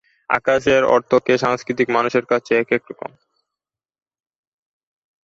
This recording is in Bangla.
আকাশের অর্থ একেক সংস্কৃতির মানুষের কাছে একেক রকম।